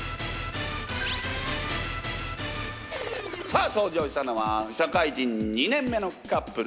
さあ登場したのは社会人２年目のカップル。